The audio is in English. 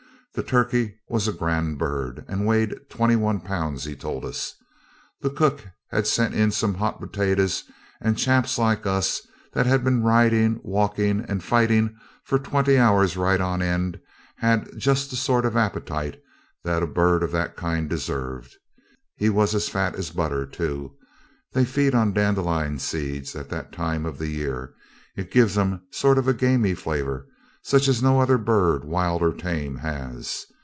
The turkey was a grand bird, and weighed 21 lb., he told us. The cook had sent in some hot potatoes, and chaps like us that had been riding, walking, and fighting for twenty hours right on end had just the sort of appetite that a bird of that kind deserved. He was as fat as butter, too. They feed on dandelion seeds at that time of the year. It gives 'em a sort of gamy flavour such as no other bird, wild or tame, has.